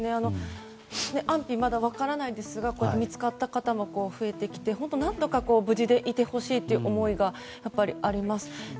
安否がまだ分かりませんが見つかった方も増えてきて本当に何とか無事でいてほしいという思いがあります。